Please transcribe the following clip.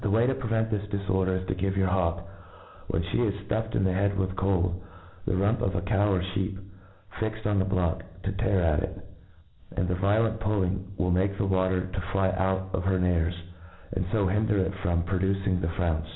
The way to prevent this difordcr is* MODERN FAULCONRY. 253 11, to give your hawk, when fhe is ftuflfed iq the head with cold, the r^mp of a cow or fhcep, fixed on the block, tp tear at j and the violent pulling will make the water to fly out of hej: narcs, and fo hinder it from producing the firownce.